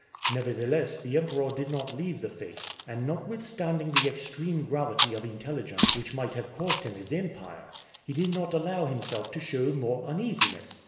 Nevertheless the Emperor did not leave the fête, and notwithstanding the extreme gravity of intelligence which might cost him his empire, he did not allow himself to show more uneasiness."